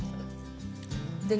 でね